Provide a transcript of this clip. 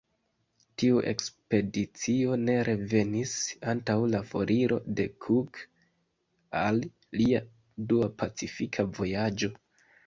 Tiu ekspedicio ne revenis antaŭ la foriro de Cook al lia dua Pacifika vojaĝo.